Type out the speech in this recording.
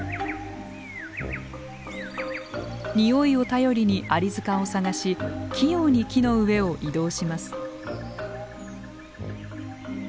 においを頼りにアリ塚を探し器用に木の上を移動します。